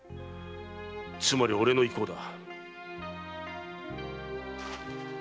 つまり俺の意向だ。